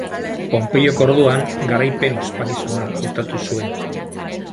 Ponpeiok orduan garaipen-ospakizuna hautatu zuen.